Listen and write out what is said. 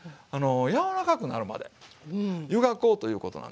柔らかくなるまで湯がこうということなんですよ。